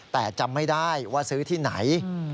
แต่จำไม่ได้ว่าซื้อที่ไหน